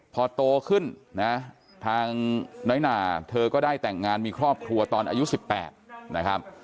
พอโตขึ้นนะทางน้อยหนาเธอก็ได้แต่งงานมีครอบครัวตอนอายุ๑๘นะครับ